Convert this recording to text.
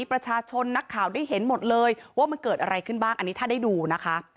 ประชาชนนักข่าวได้เห็นหมดเลยว่ามันเกิดอะไรขึ้นบ้างอันนี้ถ้าได้ดูนะคะ